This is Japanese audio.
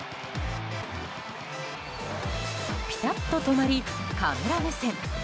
ピタッと止まりカメラ目線。